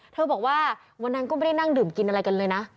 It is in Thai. บอกว่าวันนั้นก็ไม่ได้นั่งดื่มกินอะไรกันเลยนะ